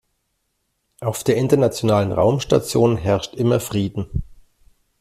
Auf der Internationalen Raumstation herrscht immer Frieden.